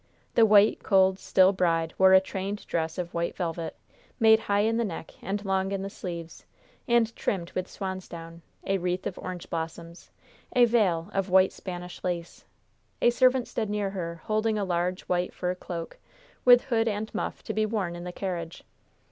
The white, cold, still bride wore a trained dress of white velvet, made high in the neck and long in the sleeves, and trimmed with swansdown; a wreath of orange blossoms; a veil of white Spanish lace. A servant stood near her holding a large white fur cloak, with hood and muff, to be worn in the carriage.